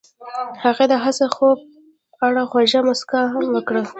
هغې د حساس خوب په اړه خوږه موسکا هم وکړه.